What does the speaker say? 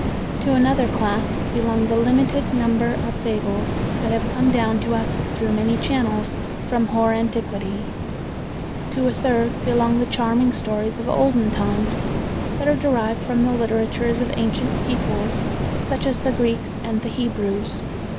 To another class belong the limited number of fables that have come down to us through many channels from hoar antiquity. To a third belong the charming stories of olden times that are derived from the literatures of ancient peoples, such as the Greeks and the Hebrews.